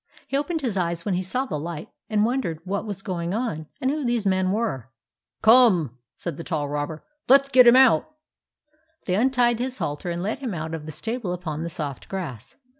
He opened his eyes when he saw the light, and wondered what was going on, and who these men were. " Come !" said the tall robber ;" let 's get him out." They untied his halter and led him out of the stable upon the soft grass.